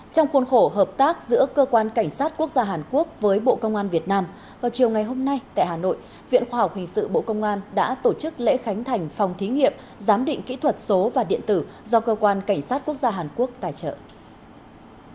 trong khuôn khổ hợp tác giữa cơ quan cảnh sát quốc gia hàn quốc với bộ công an việt nam vào chiều ngày hôm nay tại hà nội viện khoa học hình sự bộ công an đã tổ chức lễ khánh thành phòng thí nghiệm giám định kỹ thuật số và điện tử do cơ quan cảnh sát quốc gia hàn quốc tài trợ